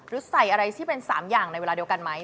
ใส่อะไรที่เป็น๓อย่างในเวลาเดียวกันไหม